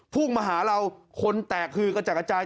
พุ่งมาหาเราคนแตกคือกระจัดกระจาย